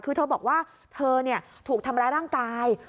คือเธอบอกว่าเธอถูกทำร้ายร่างกาย